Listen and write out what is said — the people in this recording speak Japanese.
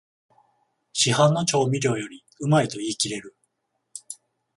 市販の調味料よりうまいと言いきれる